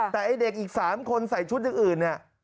แต่ไอ้เด็กอีก๓คนใส่ชุดอย่างอื่นเนี่ย